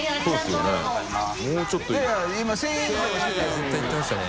絶対いってましたよね。